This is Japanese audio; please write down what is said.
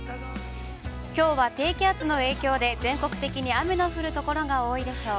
きょうは低気圧の影響で全国的に雨の降るところが多いでしょう。